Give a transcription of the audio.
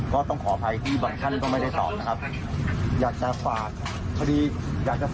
ก็ต้องขออภัยที่บางท่านก็ไม่ได้ตอบนะครับอยากจะฝากพอดีอยากจะฝาก